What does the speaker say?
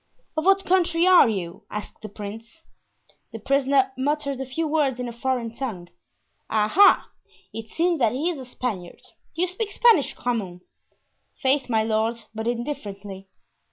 "Of what country are you?" asked the prince. The prisoner muttered a few words in a foreign tongue. "Ah! ah! it seems that he is a Spaniard. Do you speak Spanish, Grammont?" "Faith, my lord, but indifferently."